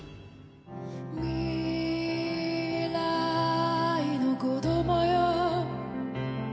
「みらいのこどもよ」